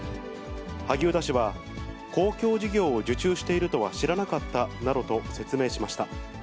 萩生田氏は、公共事業を受注しているとは知らなかったなどと説明しました。